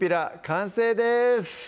完成です